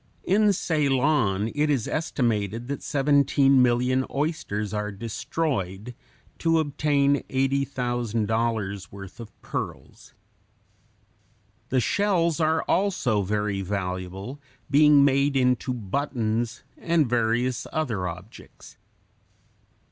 In Ceylon it is estimated that 17,000,000 oysters are destroyed to obtain $80,000 worth of pearls. The shells are also very valuable, being made into buttons and various other objects.